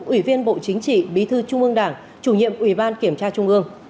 ủy viên bộ chính trị bí thư trung ương đảng chủ nhiệm ủy ban kiểm tra trung ương